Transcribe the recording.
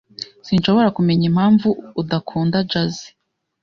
Sinshobora kumenya impamvu udakunda jazz.